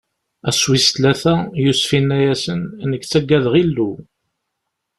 Ass wis tlata, Yusef inna-asen: Nekk ttagadeɣ Illu.